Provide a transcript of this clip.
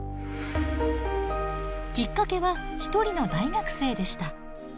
きっかけは一人の大学生でした。